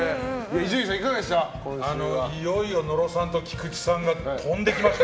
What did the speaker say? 伊集院さん、いかがでした？